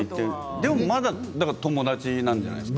でもまだ友達なんじゃないですか。